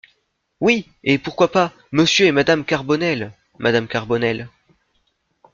Oui, et pourquoi pas "Monsieur et madame Carbonel ?" Madame Carbonel.